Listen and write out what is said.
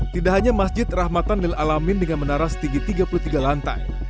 tidak hanya masjid rahmatan lil alamin dengan menara setinggi tiga puluh tiga lantai